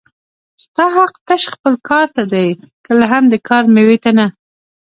ستا حق تش خپل کار ته دی کله هم د کار مېوې ته نه